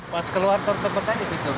pas keluar tol tepat aja sih tuh